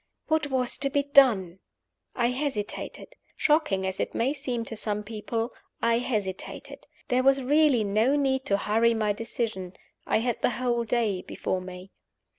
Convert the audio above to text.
What was to be done? I hesitated. Shocking as it may seem to some people, I hesitated. There was really no need to hurry my decision. I had the whole day before me.